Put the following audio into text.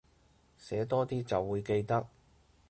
寫多啲就會記得